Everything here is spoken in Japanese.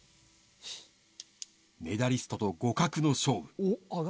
メダリストと互角の勝負。